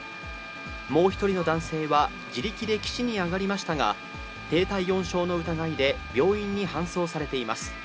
もう１人の男性は、自力で岸に上がりましたが、低体温症の疑いで病院に搬送されています。